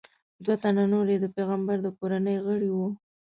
دوه تنه نور یې د پیغمبر د کورنۍ غړي وو.